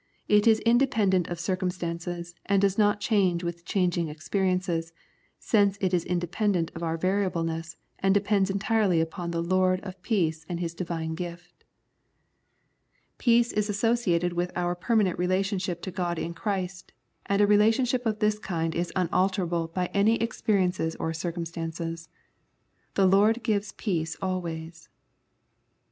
It is independent of circumstances, and does not change with changing experiences, since it is independent of our variableness, and depends entirely upon the Lord of peace and His Divine gift. 53 The Prayers of St. Paul Peace is associated with our permanent relationship to God in Christ, and a relation ship of this kind is unalterable by any ex periences or circumstances. The Lord gives peace always.